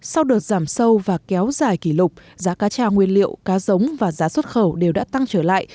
sau đợt giảm sâu và kéo dài kỷ lục giá cá tra nguyên liệu cá giống và giá xuất khẩu đều đã tăng trở lại